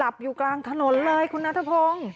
อยู่กลางถนนเลยคุณนัทพงศ์